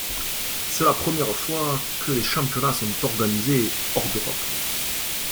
C'est la première fois que les championnats sont organisés hors d'Europe.